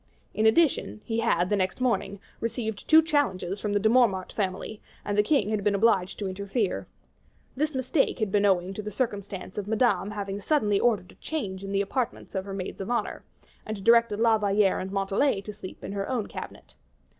In addition, he had, the next morning, received two challenges from the De Mortemart family, and the king had been obliged to interfere. This mistake had been owing to the circumstance of Madame having suddenly ordered a change in the apartments of her maids of honor, and directed La Valliere and Montalais to sleep in her own cabinet.